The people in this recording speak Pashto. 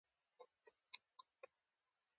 په دې ترتیب په ټولنه کې پولي ارزښت رامنځته شو